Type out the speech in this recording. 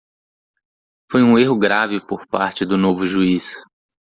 Foi um erro grave por parte do novo juiz.